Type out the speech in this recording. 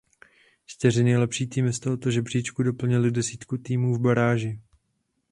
Čtyři nejlepší týmy z tohoto žebříčku doplnily desítku týmů v baráži.